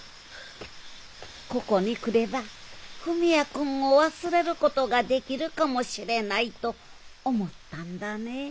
ここに来れば文也君を忘れることができるかもしれないと思ったんだねぇえ？